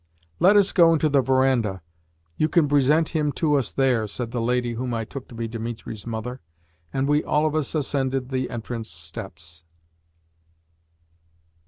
"Let us go into the verandah; you can present him to us there," said the lady whom I took to be Dimitri's mother, and we all of us ascended the entrance steps.